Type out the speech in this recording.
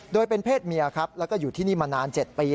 โดยเป็นเพศเมียครับแล้วก็อยู่ที่นี่มานาน๗ปี